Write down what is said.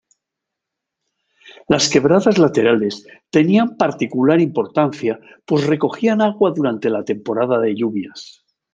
Las quebradas laterales tenían particular importancia pues recogían agua durante la temporada de lluvias.